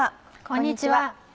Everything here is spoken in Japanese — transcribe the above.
こんにちは。